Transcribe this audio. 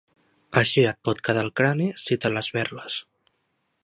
Així et pot quedar el crani si te l'esberles.